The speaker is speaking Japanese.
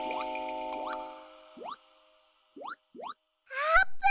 あーぷん！